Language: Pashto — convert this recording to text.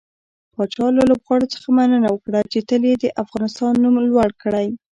پاچا له لوبغاړو څخه مننه وکړه چې تل يې د افغانستان نوم لوړ کړى.